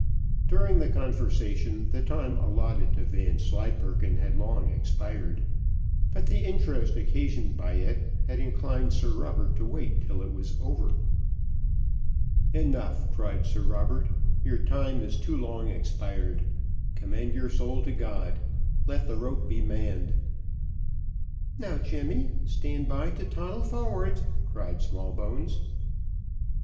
During the conversation, the time allotted to Vanslyperken had long expired, but the interest occasioned by it had inclined Sir Robert to wait till it was over. "Enough," cried Sir Robert, "your time is too long expired. Commend your soul to God let the rope be manned." "Now Jemmy, stand by to toddle forward," cried Smallbones.